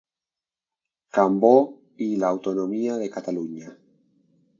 Cambó y la autonomía de Cataluña".